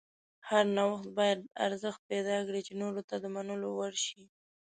هر نوښت باید ارزښت پیدا کړي چې نورو ته د منلو وړ شي.